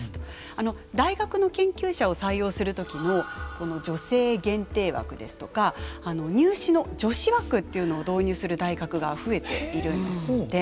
あの大学の研究者を採用する時もこの女性限定枠ですとか入試の女子枠っていうのを導入する大学が増えているんですって。